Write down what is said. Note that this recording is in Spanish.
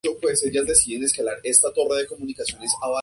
Las flores tubulares rojas se abren durante el día.